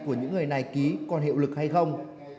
của những người này ký còn hiệu lực hay không